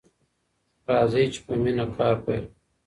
راځئ چې په مینه کار پیل کړو.